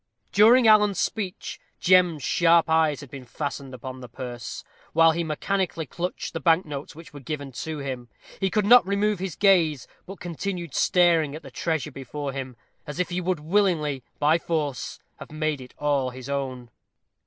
During Alan's speech, Jem's sharp eyes had been fastened upon the purse, while he mechanically clutched the bank notes which were given to him. He could not remove his gaze, but continued staring at the treasure before him, as if he would willingly, by force, have made it all his own.